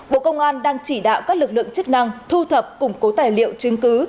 bộ công an đang chỉ đạo các lực lượng chức năng thu thập củng cố tài liệu chứng cứ